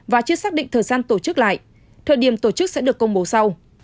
và chưa xác định thời gian tổ chức lại thời điểm tổ chức sẽ được công bố sau